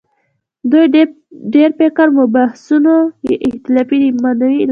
دوی ډېر فکري مبحثونه چې اختلافي دي، ممنوعه اعلان کړي دي